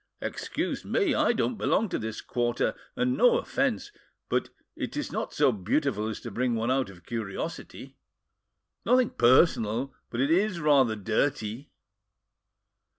"Excuse me! I don't belong to this quarter, and—no offence—but it is not so beautiful as to bring one out of curiosity! Nothing personal—but it is rather dirty."